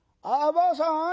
ばあさん